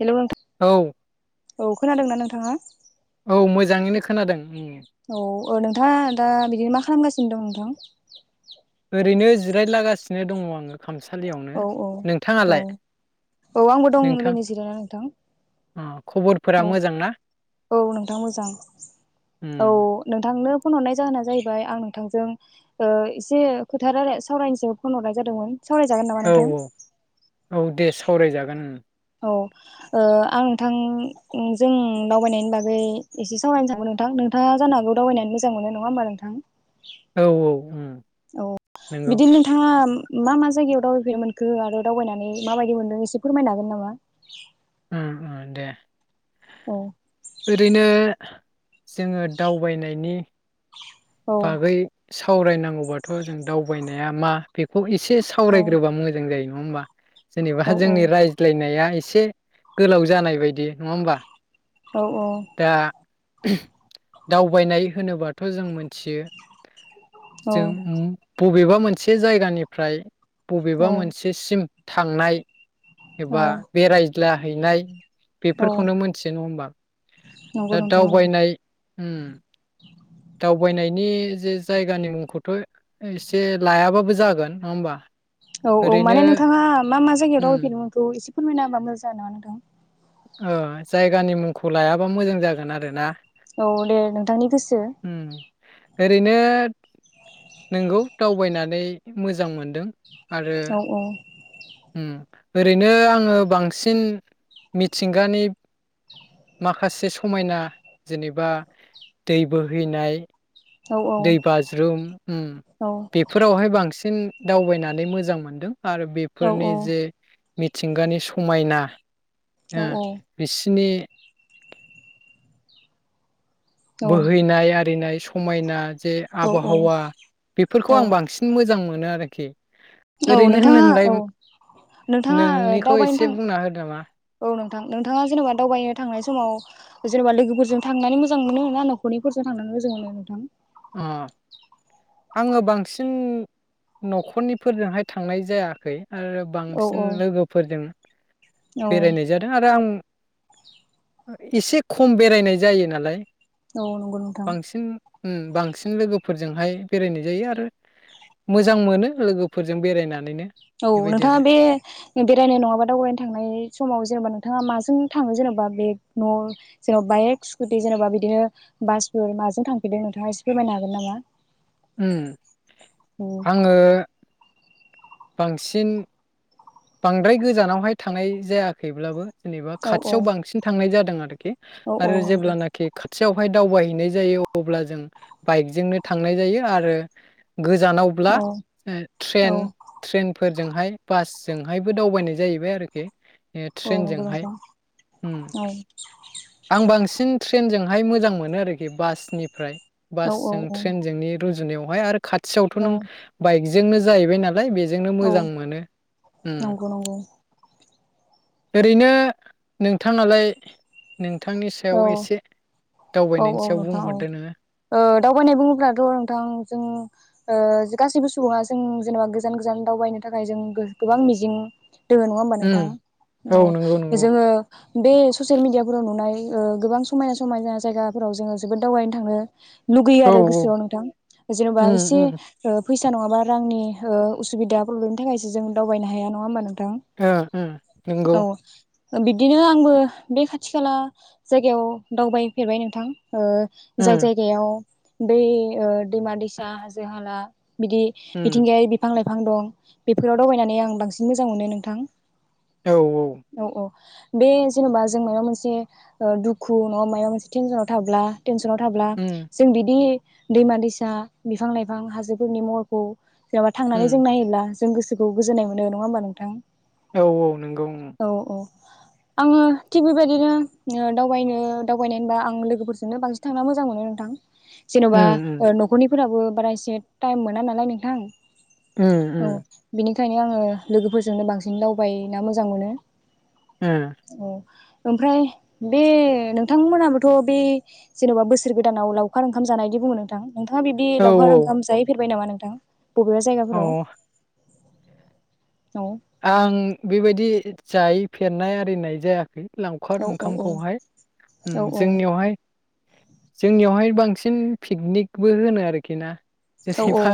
Hello औ औ खोनादोंना नोंथाङा? औ मोजाङैनो खोनादों। उम औ ओ नोंथाङा दा बिदिनो मा खालामगासिनो दं नोंथां? ओरैनो जिरायलागासिनो दङ आङो। खामसालियावनो औ औ औ नोंथाङालाय औ आंबो दं ओरैनो जिरायना नोंथां। उम औ औ नोंथां मोजां। औ उम नोंथांनो फन हरनाय जाहोना जाहैबाय आं नोंथांजों ओ एसे खोथा रायला सावरायनोसो फन हरनाय जादोंमोन। सावरायजागोन नामा औ नोंथां औ औ दे सावरायजागोन उम। औ ओ आं नोंथां जों दावबायनायनि बागै एसे सावरायनो [unintelligible] नोंथां नोंथाङा जानो हागौ दावबायनानै मोजां मोनो नङा होमबा नोंथां। औ औ उम औ नंगौ बिदि नोंथाङा मा मा जायगायाव दावबायफेरनो मोनखो आरो दावबायनानै माबायदि मोनदों एसे फोरमायनो हागोन नामा। उम उम दे। औ ओरैनो जोङो दावबायनायनि औ बागै सावरायनांगौबाथ जों दावबायनाया मा बेखौ ए से औ सावरायग्रोबा मोजां जायो [unintelligible] जेनेबा औ जोंनि रायज्लायनाया से गोलाव जानाय बायदि नङा होमबा औ औ दा दावबायनाय होनोबाथ जों मोन थियो जों उम बबेबा मोनसे जायगानिफ्राय बबेबा औ मोनसेसिम थांनाय औ एबा बेराय ला हैनाय औ बेफोरखौनो मोनथियो नङा होमबा। नंगौ दा नोंथां नंगौ दावबायनाय उम दाव बेनि जे जायगानि मुंखौथ' एसे लायाबाबो जागोन नङा होमबा औ औ ओरैनो माने नोंथाङा मा मा जायगायाव उम दावबायफेरनो मोनखो एसे फोरमायना होबा मोजां जागोन नामा नोंथां? ओ जायगानि मुंखौ लायाबा मोजां जागोन आरो ना। औ दे नोंथांनि गोसो। ओरैनो नंगौ दावबायनानै मोजां मोनदों। आरो औ औ उम ओरैनो आङो बांसिन मिथिंगानि माखासे समायना जेनेबा दै बोहैनाय औ दै बाज्रुम उम औ बेफोरावहाय बांसिन दावबायनानै मोजां मोनदों आरो औ बेफोरनि जे मिथिंगानि समायना ओ बिसिनि बोहैनाय आरिनाय समायना जे औ आबहावा औ बेफोरखौ आं बांसिन मोजां मो मोनो आरो खि औ नोंथाङा औ नोंथाङा नोंनिखौ दावबायनो एसे थां बुंना होदो नामा औ नों थां नोंथाङा जेनेबा दावबायनो थांनाय समाव जेनेबा लोगोफोरजों थांनानै मोजां मोनो ना नखरनिफोरजों थांनानै मोजां मोनो? अ आङो बांसिन नखरनिफोरजोंहाय थांनाय जायाखै आरो औ औ बांसिन लोगोफोरजों औ बेरायनाय जादों आरो आं एसे खम बेरायनाय जायो नालाय औ नंगौ नोंथां। बांसिन उम बांसिन लोगोफोरजोंहाय बेरायनाय जायो आरो मोजां मोनो लोगोफोरजों बेरायनानैनो औ बेबायदि नोंथाङा आरो बे बेरायनाय नङाबा दावबायनो थांनाय समाव जेनेबा नोंथाङा माजों थाङो जेनेबा बेग न जेनेबा बाइक स्कुटि जेनबा बिदिनो बासफोर माजों थांफिदों नोंथाङा एसे फोरमायनो हागोन नामा? उम औ आङो बांसिन बांद्राय गोजानावहाय थांनाय जायाखैब्लाबो जेनेबा औ औ खाथियाव बांसिन थांनाय जादों औ [unintelligible] आरो जेब्लानाखि खाथियावहाय दावबायहैनाय जायो अब्ला जों बाइकजोंनो थांनाय जायो आरो गोजानावब्ला औ ओ ट्रेन-ट्रेनफो फोरजोंहाय बास जोंहायबो दावबायनाय जाहैबाय आरोखि औ नंगौ ट्रेनजोंहाय नोंथां ओम औ आं बांसिन ट्रेनजों हाय मोजां मोनो आरोखि बासनिफ्राय औ औ बासजों औ ट्रेनजोंनि रुजुनायाव आरो खाथियावथ' औ नों बाइक जोंनो जाहैबाय नालाय बे बेजोंनो औ मोजां मोनो उम नंगौ नंगौ। ओरैनो नोंथांआलाय नो औ औ औ सायाव नोंथां औ बुंहरदो नोङो ओ दावबायनाय बुङोब्लाथ नोंथां जों ओ गासैबो सुबुङा जों जेनेबा गोजान गोजान दावबायनो थाखाय जों गोबां मिजिं दोङो नङा होमबा नोंथां उम औ नंगौ नंगौ जोङो बे ससियेल मिडियाफोराव नुनाय गोबां समायना समायना जायगाफोराव जोङो जोबोद दावबायनो थाङो। लुगैयो औ आरो गोसोआव नोंथां जेनबा उम एसे उम ओ फैसा नङाबा रांनि ओ उसुबिदा प्रब्लेमनि थाखायसो जों दावबायनो हाया नङा होमबा नो ओ ओम नोंगौ ओ बिदिनो आंबो बे खाथि खाला जायगायाव दावबायफेरबाय नोंथां ओ ओ जाय जायगायाव दै ओ दैमा दैसा हाजो हाला बिदि उम मिथिंगायारि बिफां लाइफां बिफां दं बेफोराव दावबायनानै आं बांसिन मोजां मोनो नोंथां। औ औ बे जेनेबा जों माबा मोनसे दुखु नंङा मायबा मोनसे टेनसनाव थाब्ला टेनसनाव थाब्ला उम जों बिदि दैमा दैसा बिफां लाइफां हाजोफोरनि महरखौ जेनबा थांनानै उम जों नायोब्ला जों गोसोखौ गोजोननाय मोनो नंङा होमबा नोंथां। औ औ नंगौ ओं आंङो थिक बेबायदिनो ओ। दावबायनो दावबायनाय होनबा आं लोगोफोरजोंनो बांसिन थांना मोजां मोनो नोंथां। जेनबा उम ओ न'खरनि फोराबो बारा एसे टाइम मोना नालाय नोंथां। उम‌ औ उम बिनि खायनो आंङो लोगोफोरजोंनो बांसिन दावबाय ना मोजां मोनो। उम औ ओमफ्राय बे नोंथांमोनहाबोथ' बे जेनबा बोसोर गोदानाव लावखार ओंखाम जानायदि बुंङो नोंथां। नोंथांङा बिबदि ओ औ लावखार ओंखाम जाहैफे हैबाय नामा नोंथां? बबेबा औ जायगाफोराव? औ औ आं बेबायदि जायै फेरनाय आरिनाय जायाखै। औ लावखार औ औ ओंखामखौहाय उम औ जोंनियावहाय। जोंनियावहाय बांसिन पिकनिकबो होनो आरो खि ना। औ औ जेनेबा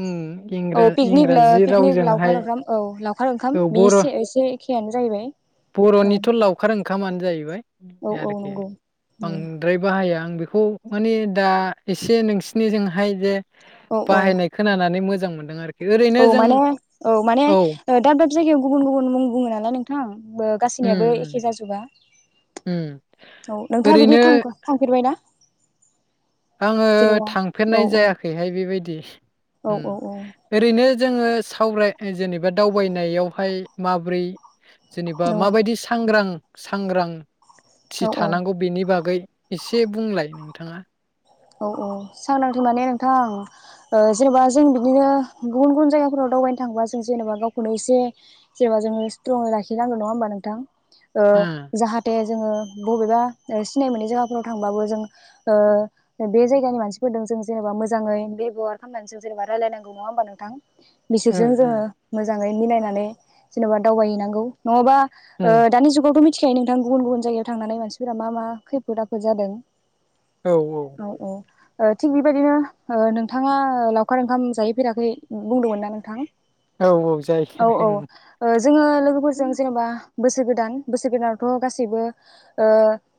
ओं औ पिकनिक ला इंरा-इंराजि पिकनिक रावजोंहाय। लावखार ओंखाम औ लावखार ओंखाम औ बर' बेसे एसे एसे खेयानो जाहैबाय। औ बर'निथ लावखार ओंखा खामानो जाहैबाय। औ औ आरोखि नंगौ बांद्राय बाहाया। आं बेखौ माने दा एसे नोंसिनि जों हाय जे औ औ बाहायनाय खोनानानै मो मोजां मोनदों आरो। औ माने औ माने ओ दाब दाब जायगायाव गुबुन गुबुन मुं बुङो नालाय नोंथां बो उम गासैनियाबो उम एखे जाजोबा। उम औ नोंथाङा बिदि ओरैनो थां-थांफेरबायना? आङो थांफेरनाय औ औ जायाखैहाय बेबायदि औ औ उम। ओरैनो जोङो सावराय जेनेबा दावबायनायावहाय माबोरै जेनेबा औ माबायदि सांग्रां सांग्रां थि औ औ थानांगौ बेनि बागै एसे बुंलाय नोंथाङा। औ औ सांग्रांथि माने नोंथां ओ जेनेबा जों बिदिनो गुबुन गुबुन जायगाफोराव दावबायनो थाङोबा जों जेनेबा गावखौनो एसे जेनेबा जोङो स्ट्रं लाखिनांगौ। नङा होमबा नोंथां? ओ जाहाथे जोङो बबेबा ओ सिनाय मोनै जायगाफोराव थांबाबो जों ओ बे जायगानि मानसिफोरदों जेनेबा मोजाङै बेबहार खालामनानै जों जेनेबा रायलायनांगौ। नङा होमबा नोंथां? उम बिसोरजों जोङो उम मो मोजाङै मिलायनानै जेनबा दावबायहैनांगौ। नङाबा उम ओ दानि जुगावथ मि थिखायो नोंथां गुबुन गुबुन जायगायाव थांनानै मानसिफोरा मा मा खैफोद आफोद जादों औ औ ओ थिग बेबायदिनो ओ नोंथाङा ओ लावखार ओंखाम जाहैफेराखै बुंदोंमोन ना नोंथां? औ औ औ जाहैबाय उम ओ जोङो लोगोफोरजों जेनबा बोसोर गोदान बोसोर गोदानावथ गासैबो ओ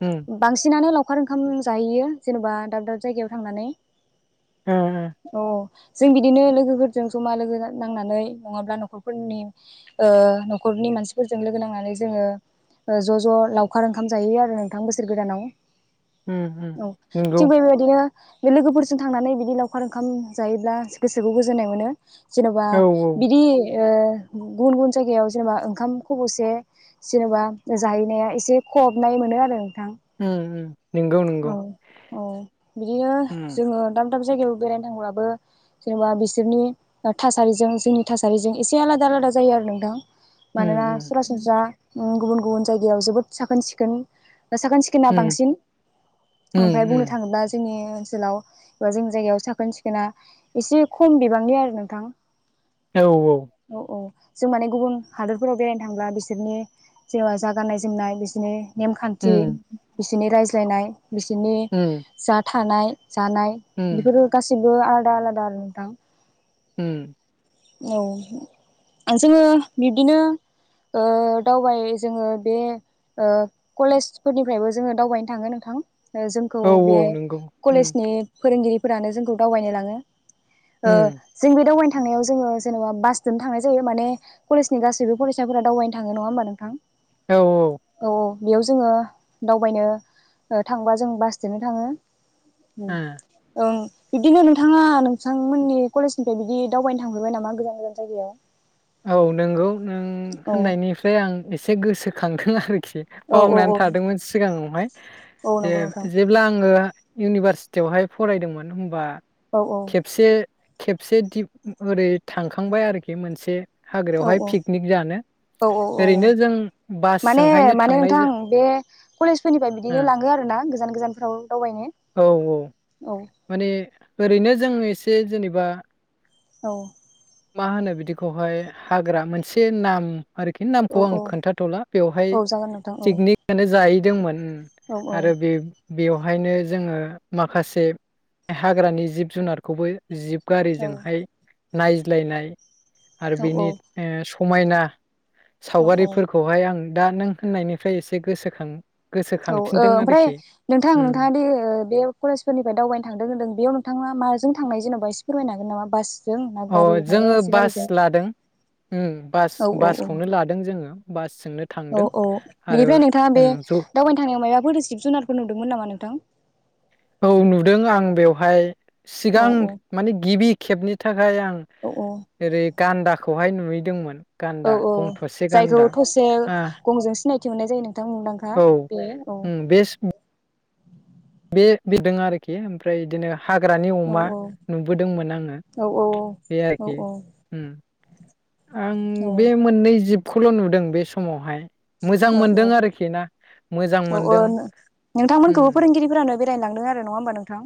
उम बांसिनानो लाव खार ओंखाम जाहैयो जेनबा दाब दाब जायगायाव थांनानै ओ औ जों बिदिनो लोगोफोरजों जमा लोगो नांनानै नङाब्ला नखरफोरनि ओ नखरनि मानसिफोरजों लोगो नांनानै जोङो ज ज लावखार ओंखाम जाहैयो आरो नोंथां बोसोर गोदानाव उम औ उम नंगौ थिग बेबायदिन नो बे लोगोफोरजों थांनानै बिदि लावखार ओंखाम जायोब्ला गोसोखौ गोजोननाय मोनो जेनबा औ बिदि ओ गुन-गुबुन जायगायाव जेनेबा ओंखाम खबसे जेनेबा जाहैनाया एसे खहाबनाय मोनो आरो उम उम नंगौ नंगौ औ-औ बिदिनो उम जोङो दा दाब जायगायाव बेरायनो थांब्लाबो जेनेबा बिसोरनि ओ थासारिजों जोंनि थासारिजों एसे आलादा-आलादा जायो आरो नोंथां उम मानोना सरासनस्रा ओं गुबुन-गुबुन जायगायाव जोबोद साखोन सिखोन साखोन सिखोना उम बांसिन ओमफाय उम बुंनो उम थाङोब्ला जे नि ओनसोलाव एबा जोंनि जायगायाव साखोन सिखोनआ एसे खम बिबांनि आरो नोंथां औ औ औ-औ जों माने गुबुन हादरफोराव बेरायनो थांब्ला बिसोरनि जेनबा जा गाननाय जोमनाय बिसोरनि नेमखान्थि उम बिसोरनि राय जायनाय बिसोरनि उम जा था थानाय जानाय उम बेफोर गासि बो आलादा-आलादा आरो नोंथां ओम। औ जोङो बिब्दिनो ओ दावबाय जोङो बे ओ कलेजफोरनिफ्रायबो जोङो दावबायनो थाङो नोंथां जोंखौ औ बे नंगौ उम कलेजनि फोरोंगिरिफोरानो जोंखौ दावबायनो लाङो ओ उम जों बे दावबायनो थांनायाव जोङो जेनेबा बासजोंनो थांनाय जायो माने कलेजनि गासैबो फरायसाफोरा दावबायनो थाङो नङा होमबा नोंथां औ औ औ बेयाव जोङो दावबायनो ओ थांबा जों बासजोंनो थाङो उम ओं बिब्दिनो नोंथाङा नोंथांमोननि कलेजनिफ्राय बिदि दावबायनो थांफेरबाय नामा गोजान गोजान जायगायाव? औ नंगौ नों औ होननायनिफ्राय आं एसे गोसो खांखों आर खि औ औ बावनानै औ थादोंमोन सिगाङावहाय औ नंगौ नोंथां जे-जेब्ला आङो इउनिभारसिटियावहाय फरायदोंमोन होमबा औ औ खेबसे खेबसे दि ओरै थांखांबाय आरोखि मोनसे औ औ हाग्रायावहाय पिकनिक जानो औ औ औ औ ओरैनो जों माने बासजोंहायनो माने थांनाय नोंथां जा बे कलेजफोरनिफ्राय बिदिनो लाङो आरोना गो गोजान गोजानफ्राव दावबायनो औ औ औ माने ओरैनो जों एसे जेनेबा औ मा होनो बिदिखौहाय हाग्रा मोनसे नाम आरखि औ नामखौ आं औ खोन्थाथला बेवहाय औ जागोन नोंथां औ पिकनिकआनो जाय दोंमोन औ ओम औ आरो बे बेवहायनो जोङो माखासे हाग्रानि जिब जुनारखौबो जिब औ गारिजोंहाय नायज ज्लायनाय आरो बिनि औ ओ स समायना औ औ सावगारिफोरखौहाय आं दा नों होननायनिफ्राय एसे गोसोखां औ ओ गोसोखांफिनदों ओमफ्राय आरोखि नोंथां उम नोंथाङा दि ओ बे कलेजफोरनिफ्राय दावबायनो थांदों होनदों बेयाव नोंथाङा मा जों थांनाय जेनेबा एसे फोरमायनो होन नामा बास अ जोङो बास लादों ओम बास औ औ बासखौनो लादों जोङो। बास औ औ बेनिफ्राय नोंथाङा बे उम ज दावबायनो थानायांनायाव माबाफोर जिब जुनारफोर नुदोंमोन नामा नोंथां? औ नुदों आं बेवहाय औ सिगां औ माने गिबि खेबनि थाख ओमफ्राय आं औ औ ओरै गान्दा खौहाय नुहैदोंमोन। औ गान्दा औ गं थसे जायखौ गान्दा थसे आ गंजों सिनाय थि मोननाय जायो नों औ उम बे स' बे बिदों आरोखि ओमफ्राय इदिनो हाग्रानि औ अमा औ नुबोदोंमोन आङो औ बे औ औ आरोखि ओम। आं बे मोननै जिब खौल' नुदों बे समावहाय। मोजां औ औ मोनदों आरोखि ना मोजां औ औ मोनदों नो उम नोंथांमोनखौबो फोरोंगिरिफोरानो बे रायनो लांदों आरो नङा होमबा नोंथां?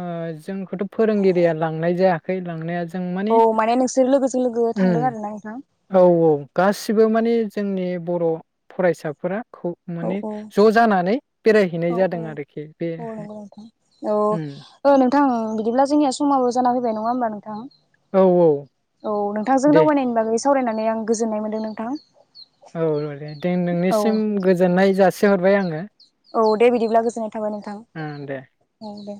ओ जोंखौथ' फोरोंगिरिया लांनाय जायाखै लांनाया जों माने औ नोंसोर लोगोजों लोगो थांदों उम आरोना नोंथां औ औ गासिबो माने जोंनि बर' फरायसाफोरा खौ औ माने औ ज' जानानै बेरायहैनाय औ जादों औ आरोखि औ बेहाय। उम थां बिदिब्ला जोंनिया समाबो जाना फैबाय नङा होमबा नोंथां? औ औ औ नोंथांजों दे दावबायनायनि बागै सावरायनानै आं गोजोननाय मोनदों नोंथां। औ [unintelligible] औ नोंनिसिम गोजोननाय जा से हरबाय आङो। औ दे बिदिब्ला गोजोननाय थाबाय नोंथां ओं दे औ दे।